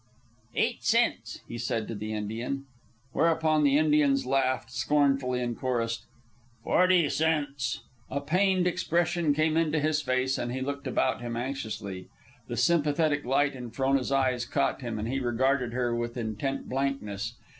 "Eight cents," he said to the Indian. Whereupon the Indians laughed scornfully and chorused, "Forty cents!" A pained expression came into his face, and he looked about him anxiously. The sympathetic light in Frona's eyes caught him, and he regarded her with intent blankness.